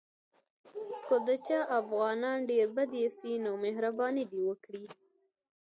که د چا افغانان ډېر بد ایسي نو مهرباني دې وکړي.